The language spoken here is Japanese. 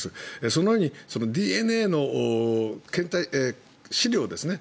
そのようにＤＮＡの検体資料ですね